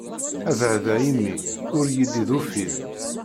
Abeɛda imi, ur yelli d uffir.